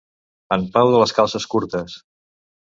En Pau de les calces curtes.